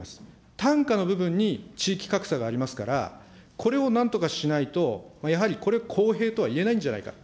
単価の部分に、地域格差がありますから、これをなんとかしないと、やはりこれ、公平とは言えないんじゃないか。